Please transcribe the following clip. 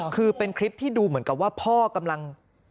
คือเป็นคลิปที่ดูเหมือนกับว่าพ่อกำลัง